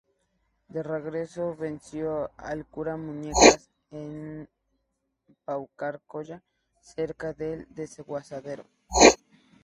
De regreso, venció al cura Muñecas en Paucarcolla, cerca del Desaguadero.